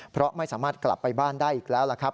เพราะไม่สามารถกลับไปบ้านได้อีกแล้วล่ะครับ